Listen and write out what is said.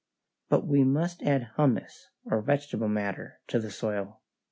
But we must add humus, or vegetable matter, to the soil.